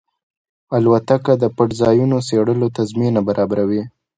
الوتکه د پټ ځایونو څېړلو ته زمینه برابروي.